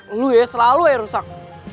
eh lu ya selalu ya rusak